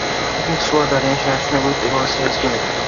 ფილმში თითქმის სრულად არიან შენარჩუნებული პირველი სერიის გმირები.